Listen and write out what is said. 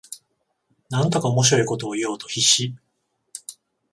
なんとか面白いことを言おうと必死